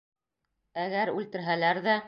Әгәр үлтерһәләр ҙә...